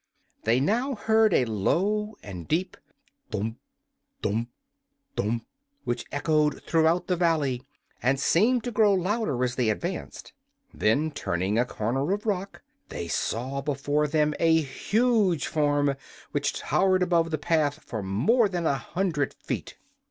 They now heard a low and deep "thump! thump! thump!" which echoed throughout the valley and seemed to grow louder as they advanced. Then, turning a corner of rock, they saw before them a huge form, which towered above the path for more than a hundred feet.